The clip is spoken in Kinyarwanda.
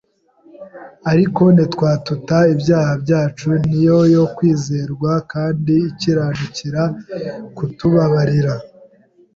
Ariko nitwatuta ibyaha byacu, ni yo yo kwizerwa kandi ikiranukira kutubabarira